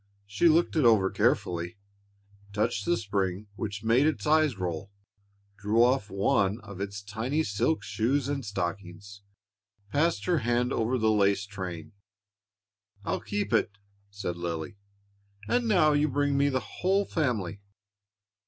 She looked it over carefully, touched the spring which made its eyes roll, drew off one of its tiny silk shoes and stockings, passed her hand over the lace train. "I'll keep it," said Lily; "and now you bring me the whole family."